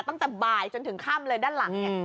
ตั้งแต่บ่ายที่ที่ค่ำเลยด้านหลัง